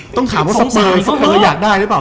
ต้องถามว่าสปายสเปอร์อยากได้หรือเปล่า